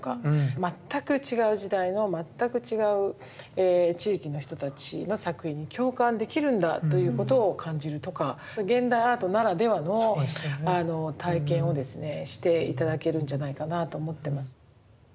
全く違う時代の全く違う地域の人たちの作品に共感できるんだということを感じるとか現代アートならではの体験をですねして頂けるんじゃないかなと思ってます。